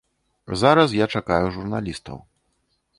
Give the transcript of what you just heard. Зараз я чакаю журналістаў.